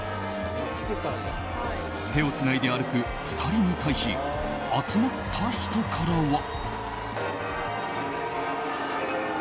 手をつないで歩く２人に対し集まった人からは。